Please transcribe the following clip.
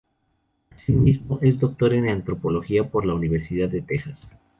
Asimismo, es doctor en Antropología por la Universidad de Texas.